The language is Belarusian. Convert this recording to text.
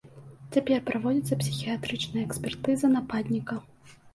Цяпер праводзіцца псіхіятрычная экспертыза нападніка.